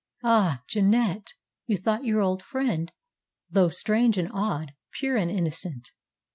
Ah! Jeannette, you thought your old friend, though strange and odd, pure and innocent.